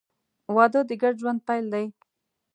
• واده د ګډ ژوند پیل دی.